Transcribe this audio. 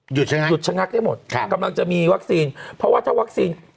หยุดชะงักได้หมดค่ะกำลังจะมีวัคซีนเพราะว่าถ้าวัคซีน